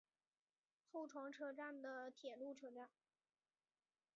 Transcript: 厚床车站的铁路车站。